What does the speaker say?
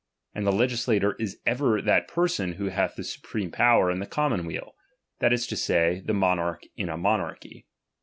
And the legisla tor is ever that person who hath the supreme power in the commonweal, that li to say, the mo narch in a monarchy.